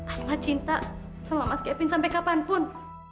aku gak mau cinta sama mas kevin sampai kapanpun